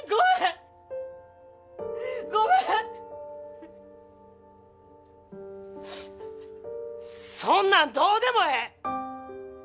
ごめんそんなんどうでもええ！